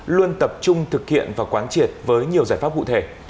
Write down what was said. luôn tập trung thực hiện và quán triệt với nhiều giải pháp cụ thể